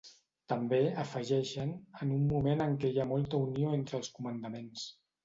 També, afegeixen, en un moment en què hi ha molta unió entre els comandaments.